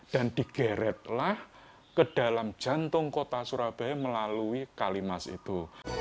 dan digeretlah ke dalam jantung kota surabaya melalui kalimas itu